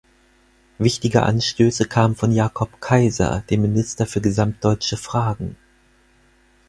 Wichtige Anstöße kamen von Jakob Kaiser, dem Minister für gesamtdeutsche Fragen.